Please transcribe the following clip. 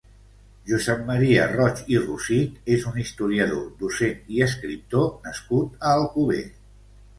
Josep Maria Roig i Rosich és un historiador, docent i escriptor nascut a Alcover.